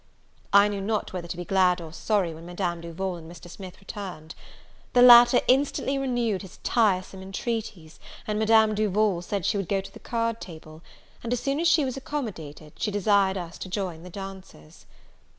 I knew not whether to be glad or sorry, when Madame Duval and Mr. Smith returned. The latter instantly renewed his tiresome intreaties, and Madame Duval said she would go to the card table; and as soon as she was accommodated, she desired us to join the dancers.